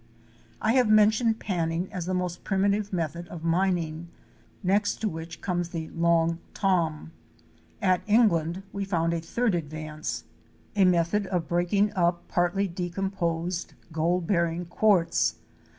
I have mentioned panning as the most primitive method of mining, next to which comes the "Long Tom." At "Eng land" we found a third advance — a method of breaking up 288 OUR SEARCH FOR A WILDERNESS. partly decomposed gold bearing quartz.